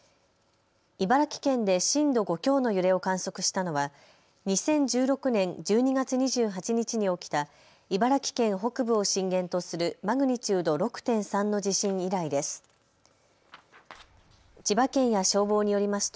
茨城県で震度５強の揺れを観測したのは２０１６年１２月２８日に起きた茨城県北部を震源とするマグニチュード６．３の地震以来です。